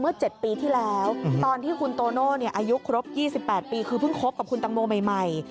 ๗ปีที่แล้วตอนที่คุณโตโน่อายุครบ๒๘ปีคือเพิ่งคบกับคุณตังโมใหม่